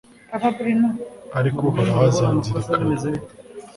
ariko uhoraho aranzirikana